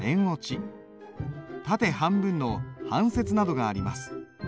縦半分の半切などがあります。